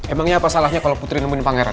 emangnya apa salahnya kalau putri nemuin pangeran